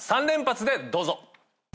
３連発でどうぞ。